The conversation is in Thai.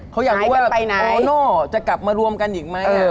เขาอยากรู้ว่าโตโน่จะกลับมารวมกันอีกไหม